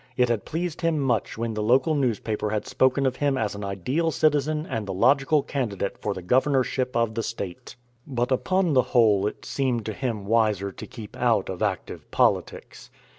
It had pleased him much when the local newspaper had spoken of him as an ideal citizen and the logical candidate for the Governorship of the State; but upon the whole it seemed to him wiser to keep out of active politics.